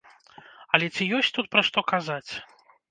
Але ці ёсць тут пра што казаць?